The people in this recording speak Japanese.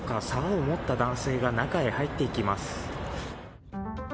さおを持った男性が中へ入っていきます。